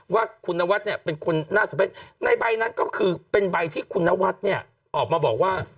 ว่าคุณนวัดเป็นคุณนาสมเพศในใบนั้นก็คือเป็นใบที่คุณนวัดออกมาบอกว่า